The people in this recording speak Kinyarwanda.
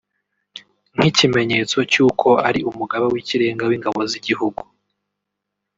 nk’ikimenyetso cy’uko ari umugaba w’Ikirenga w’ingabo z’igihugu